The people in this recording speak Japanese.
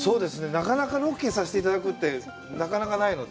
なかなかロケさせていただくってなかなかないので。